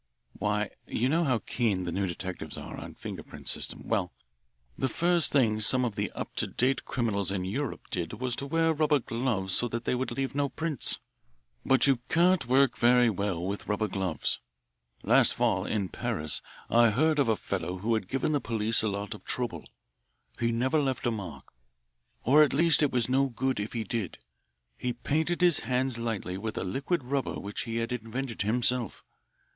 "Why, you know how keen the new detectives are on the finger print system? Well, the first thing some of the up to date criminals in Europe did was to wear rubber gloves so that they would leave no prints. But you can't work very well with rubber gloves. Last fall in Paris I heard of a fellow who had given the police a lot of trouble. He never left a mark, or at least it was no good if he did. He painted his hands lightly with a liquid rubber which he had invented himself.